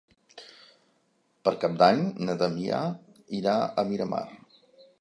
Per Cap d'Any na Damià irà a Miramar.